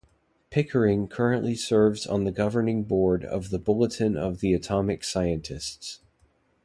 Pickering currently serves on the Governing Board of the "Bulletin of the Atomic Scientists".